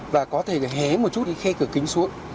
và có thể hé một chút đi khe cửa kính xuống